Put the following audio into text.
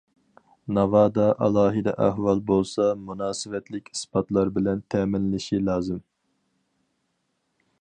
ناۋادا ئالاھىدە ئەھۋال بولسا مۇناسىۋەتلىك ئىسپاتلار بىلەن تەمىنلىشى لازىم.